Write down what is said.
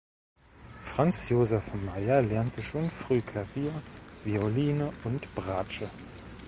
Franzjosef Maier lernte schon früh Klavier, Violine und Bratsche.